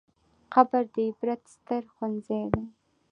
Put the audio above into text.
قبر د عبرت ستر ښوونځی دی.